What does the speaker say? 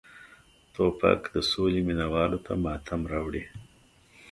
توپک د سولې مینه والو ته ماتم راوړي.